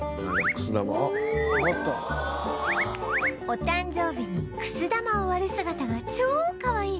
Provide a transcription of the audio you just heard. お誕生日にくす玉を割る姿が超かわいい